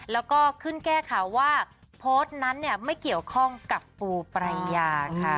แล้วก็ขึ้นแก้ข่าวว่าโพสต์นั้นไม่เกี่ยวข้องกับปูปรายาค่ะ